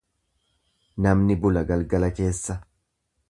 Namni bula galgala keessa.